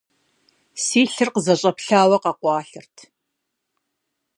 Си лъыр къызэщӀэплъауэ къэкъуалъэрт.